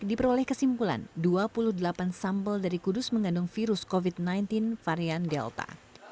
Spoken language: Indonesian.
diperoleh kesimpulan dua puluh delapan sampel dari kudus mengandung virus covid sembilan belas varian delta